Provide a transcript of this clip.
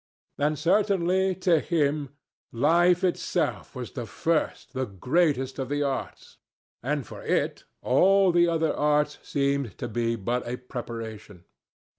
And, certainly, to him life itself was the first, the greatest, of the arts, and for it all the other arts seemed to be but a preparation.